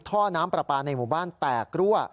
ท่อน้ำปลาปลาในหมู่บ้านแตกรั่ว